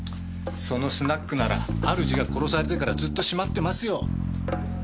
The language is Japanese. そのスナックなら主が殺されてからずっと閉まってますよ。